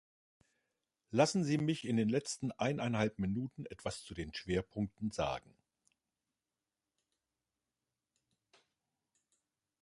Lassen Sie mich in den letzten eineinhalb Minuten etwas zu den Schwerpunkten sagen.